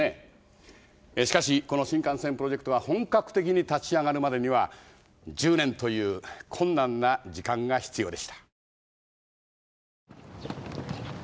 しかしこの新幹線プロジェクトは本格的に立ち上がるまでには１０年という困難な時間が必要でした。